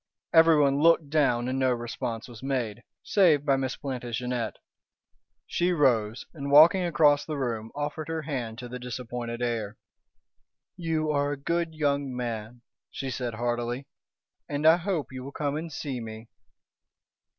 Everyone looked down and no response was made, save by Miss Plantagenet. She rose, and walking across the room, offered her hand to the disappointed heir. "You are a good young man," she said heartily. "And I hope you will come and see me."